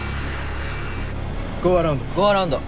ゴーアラウンド。